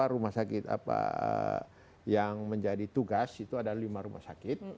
rumah sakit yang menjadi tugas itu ada lima rumah sakit